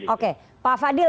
oke pak fadil